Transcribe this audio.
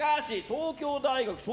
東京大学、笑